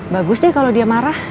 bagus deh kalau dia marah